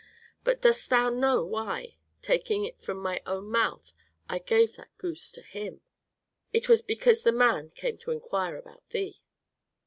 But dost thou know why, taking it from my own mouth, I gave that goose to him?" "It was because the man came to inquire about thee."